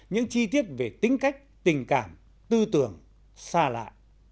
những chi tiết về tính cách tình cảm tư tưởng xa lạ